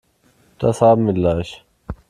Das haben wir gleich.